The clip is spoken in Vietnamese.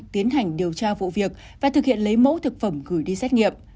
tiến hành điều tra vụ việc và thực hiện lấy mẫu thực phẩm gửi đi xét nghiệm